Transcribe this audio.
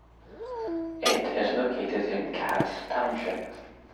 It is located in Cass Township.